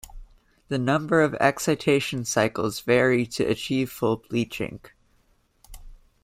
The number of excitation cycles vary to achieve full bleaching.